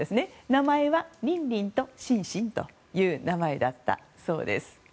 名前はリンリンとシンシンという名前だったそうです。